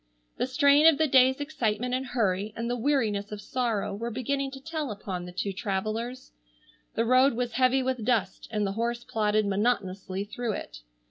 The strain of the day's excitement and hurry and the weariness of sorrow were beginning to tell upon the two travellers. The road was heavy with dust and the horse plodded monotonously through it.